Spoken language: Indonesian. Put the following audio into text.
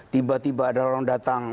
tiba tiba ada orang datang